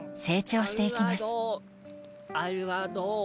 ありがとオ。